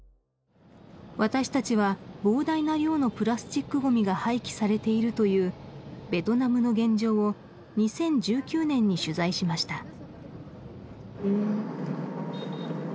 私たちは膨大な量のプラスチックごみが廃棄されているというベトナムの現状を２０１９年に取材しました